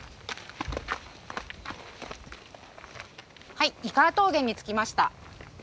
はい井川峠に着きました。